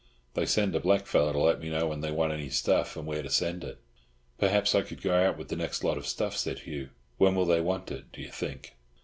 They send a blackfellow to let me know when they want any stuff, and where to send it." "Perhaps I could go out with the next lot of stuff," said Hugh. "When will they want it, do you think?"